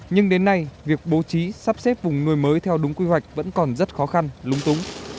nhưng đến nay việc bố trí sắp xếp vùng nuôi mới theo đúng quy hoạch vẫn còn rất khó khăn lúng túng